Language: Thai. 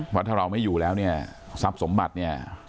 เพราะถ้าเราไม่อยู่แล้วเนี่ยทรัพย์สมบัติเนี่ย